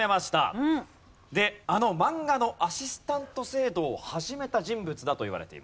あの漫画のアシスタント制度を始めた人物だといわれています。